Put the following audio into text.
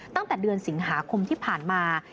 ตั้งแต่เดือนสิงหาคมที่ผ่านมา